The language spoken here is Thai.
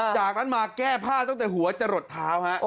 จากนั้นมาแก้ผ้าตั้งแต่หัวจะหลดเท้าฮะ